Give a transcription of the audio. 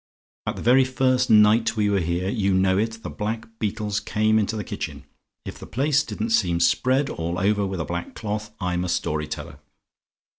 "And the very first night we were here, you know it, the black beetles came into the kitchen. If the place didn't seem spread all over with a black cloth, I'm a story teller.